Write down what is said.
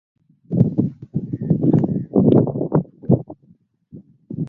اے اوندا وی پیو ہے